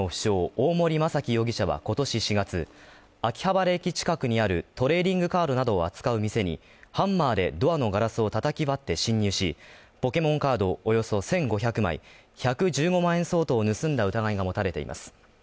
大森正樹容疑者は今年４月、秋葉原駅近くにあるトレーディングカードなどを扱う店にハンマーでドアのガラスを叩き割って侵入し、ポケモンカードおよそ１５００枚、１１５万円相当を盗んだ疑いが持たれています。